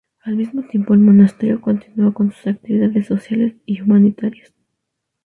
Al mismo tiempo, el monasterio continúa con sus actividades sociales y humanitarias.